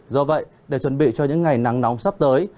do vậy để chuẩn bị cho những ngày nắng nóng sắp tới